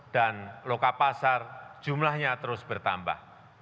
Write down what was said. dan lokal pasar jumlahnya terus bertambah